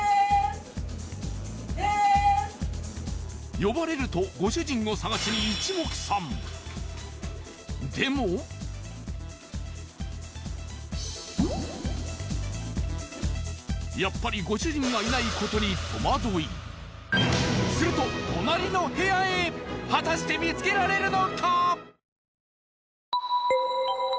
呼ばれるとご主人を捜しに一目散でもやっぱりご主人がいないことに戸惑いすると隣の部屋へ果たして見つけられるのか？